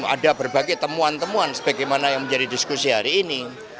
ada berbagai temuan temuan sebagaimana yang menjadi diskusi hari ini